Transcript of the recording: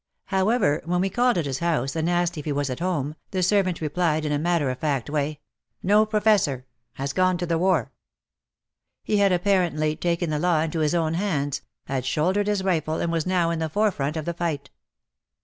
However, when we called at his house and asked if he was at home, the servant replied in a matter of fact way, *' No, Professor has gone to the war." He had apparently taken the law into his own hands, had shouldered his rifle and was now in the forefront of the fight.